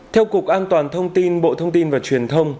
theo cục an toàn thông tin bộ thông tin và truyền thông